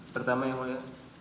pertama yang mulia